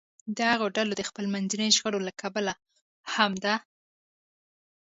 د هغو ډلو د خپلمنځي شخړو له کبله هم ده